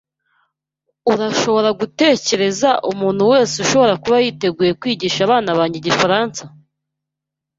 Urashobora gutekereza umuntu wese ushobora kuba yiteguye kwigisha abana banjye igifaransa?